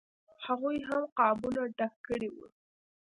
هغوی هم قابونه ډک کړي وو.